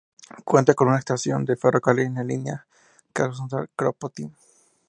Cuenta con una estación de ferrocarril en la línea Krasnodar-Kropotkin.